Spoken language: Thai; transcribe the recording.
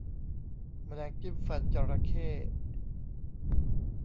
แมลงจิ้มฟันจระเข้